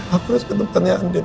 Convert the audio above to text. aku harus ke tempatnya angin